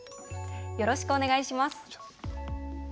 よろしくお願いします。